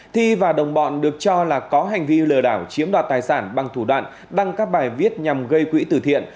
thi và đồng bọn được cho là có hành vi lừa đảo chiếm đoạt tài sản bằng thủ đoạn đăng các bài viết nhằm gây quỹ từ thiện